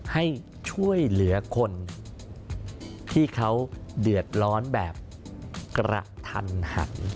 ให้ช่วยเหลือคนที่เขาเดือดร้อนแบบกระทันหัน